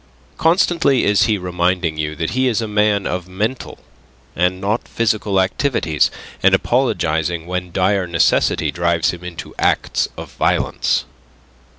Constantly is he reminding you that he is a man of mental and not physical activities, and apologizing when dire necessity drives him into acts of violence.